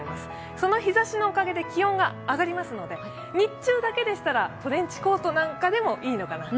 その日ざしのおかげで気温が上がりますので日中だけでしたらトレンチコートなんかでもいいかなと。